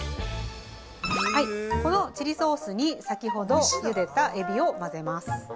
このチリソースに先ほどゆでたエビを混ぜます。